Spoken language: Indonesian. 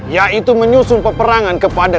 yaitu menyusun peperangan kepada